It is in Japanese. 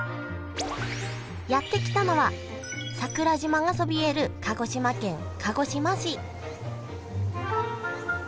やって来たのは桜島がそびえる鹿児島県鹿児島市